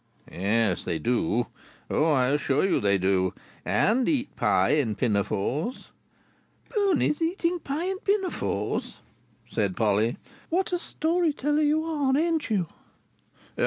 "Yes, they do. O I assure you, they do. And eat pie in pinafores—" "Ponies eating pie in pinafores!" said Polly. "What a story teller you are, ain't you?"